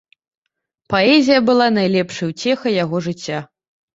Паэзія была найлепшай уцехай яго жыцця.